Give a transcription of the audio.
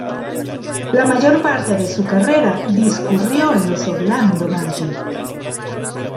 La mayor parte de su carrera discurrió en los Orlando Magic.